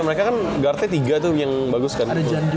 mereka kan guardnya tiga tuh yang bagus kan